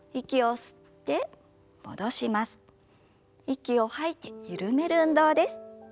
息を吐いて緩める運動です。